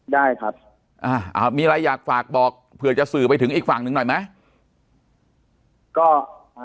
ได้ครับมีอะไรอยากฝากบอกเผื่อจะสื่อไปถึงอีกฝั่งหนึ่งหน่อยไหม